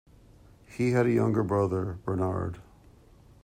He had a younger brother, Bernard.